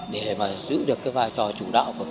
để mà giữ được cái vai trò chủ đạo của kinh tế nhà nước